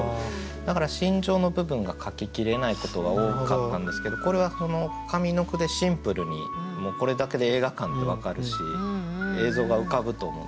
だから心情の部分が書ききれないことが多かったんですけどこれは上の句でシンプルにこれだけで映画館って分かるし映像が浮かぶと思うんです。